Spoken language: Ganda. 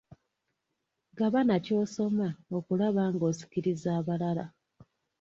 Gabana ky'osoma okulaba nga osikiriza abalala.